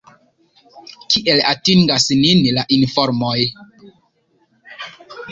Kiel atingas nin la informoj?